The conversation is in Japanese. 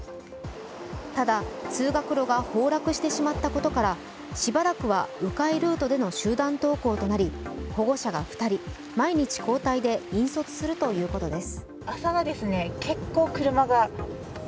ただ通学路が崩落してしまったことからしばらくは、う回ルートでの集団登校となり、保護者が２人、毎日交代で引率するということです。